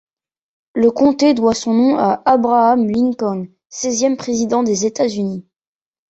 Le comté doit son nom à Abraham Lincoln, seizième président des États-Unis.